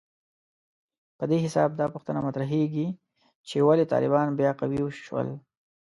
په دې حساب دا پوښتنه مطرحېږي چې ولې طالبان بیا قوي شول